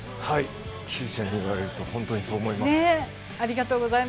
Ｑちゃんに言われると、本当にそう思います。